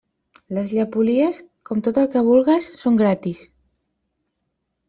Les llepolies, com tot el que vulgues, són gratis.